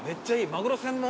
マグロ専門？